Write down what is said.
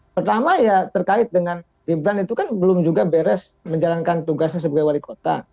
pertama ya terkait dengan gibran itu kan belum juga beres menjalankan tugasnya sebagai wali kota